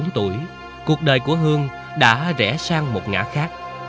hai mươi bốn tuổi cuộc đời của hương đã rẽ sang một ngã khác